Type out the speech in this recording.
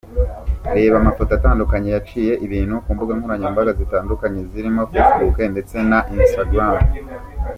Reba amafoto atandukanye yaciye ibintu ku mbuga nkoranyambaga zitandukanye zirimo Facebook ndetse na Instagram.